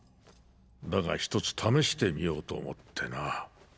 だが一つ試してみようと思ってな。